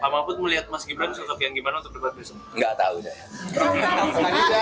mahfud melihat mas gibran sesuatu yang gimana untuk debat besok